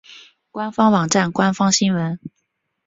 官方网站官方新闻